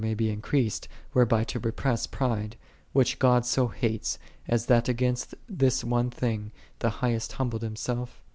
may be increased, whereby to repress pride; which God so hates, as that against this one thing The Highest humbled Himself?